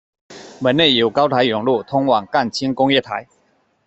门内有高台甬路通往干清宫月台。